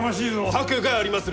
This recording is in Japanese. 策がありまする！